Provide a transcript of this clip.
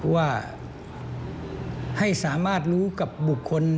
ว่าให้สามารถรู้กับบุคคล